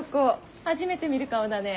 初めて見る顔だね！